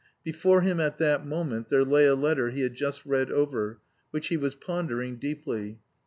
Before him, at that moment, there lay a letter he had just read over, which he was pondering deeply.